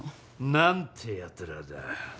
なんてやつらだ。